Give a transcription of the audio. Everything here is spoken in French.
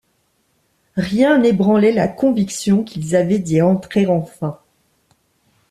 Rien n’ébranlait la conviction qu’ils avaient d’y entrer enfin.